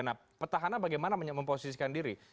nah petahana bagaimana memposisikan diri